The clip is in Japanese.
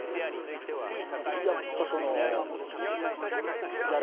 やっぱその。